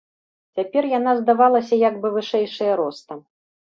Цяпер яна здавалася як бы вышэйшая ростам.